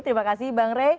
terima kasih bang rey